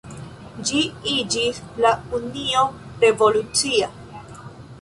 Ĝi iĝis la Unio Revolucia.